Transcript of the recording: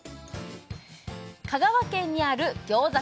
香川県にある餃子